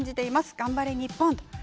頑張れ、日本と。